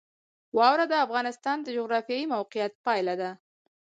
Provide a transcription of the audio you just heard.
واوره د افغانستان د جغرافیایي موقیعت پایله ده.